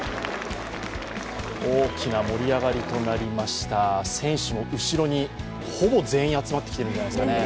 大きな盛り上がりとなりました選手も後ろに、ほぼ全員集まってきてるんじゃないですかね。